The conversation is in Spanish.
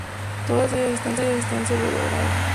Toda ella está sobredorada.